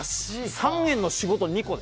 ３円の仕事２個で。